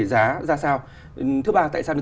giá ra sao thứ ba tại sao đến